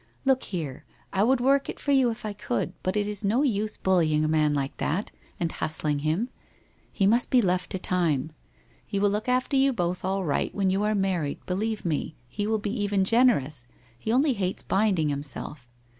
Look here, I would work it for you if I could, but it is no use bully ing a man like that, and hustling him. He must be left to time. He will look after you both all right when you are married, believe me, he will be even generous, he only hates binding himself.